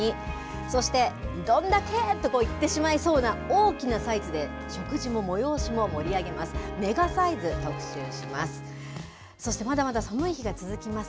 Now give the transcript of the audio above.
そしてどんだけー！と言ってしまいそうな、大きなサイズで食事も催しも盛り上げます、メガサイズ特集します。